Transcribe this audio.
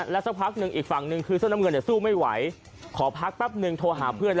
และอีกฝั่งคือเสื้อน้ำเงินสู้ไม่ไหวขอพักปั๊บหนึ่งโทรหาเพื่อน